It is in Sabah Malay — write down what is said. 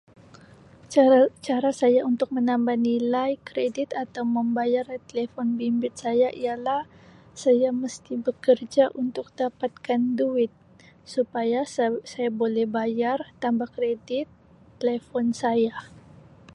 Cara-cara saya untuk menambah nilai kredit atau membayar telefon bimbit saya ialah saya mesti bekerja untuk dapatkan duit supaya sa-saya buleh bayar tambah kredit telefon saya.